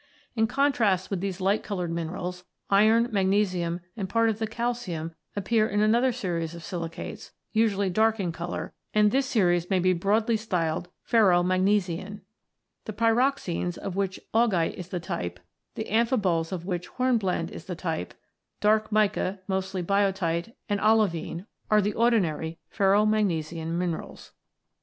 In contrast with these light coloured minerals, iron, mag nesium, and part of the calcium, appear in another series of silicates, usually dark in colour, and this series may be broadly styled "ferromagnesian." The pyroxenes, of which augite is the type, the amphiboles, of which hornblende is the type, dark mica (mostly biotite), and olivine, are the ordinary ferromagnesian minerals. 110 ROCKS AND THEIR ORIGINS [OH.